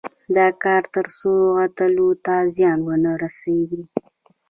دا کار تر څو عضلو ته زیان ونه رسېږي.